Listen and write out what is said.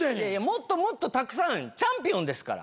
もっともっとたくさんチャンピオンですから。